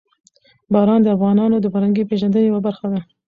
باران د افغانانو د فرهنګي پیژندنې یوه برخه ده.